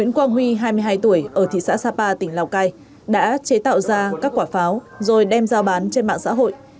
người ở thị xã sapa tỉnh lào cai đã chế tạo ra các quả pháo rồi đem giao bán trên mạng xã hội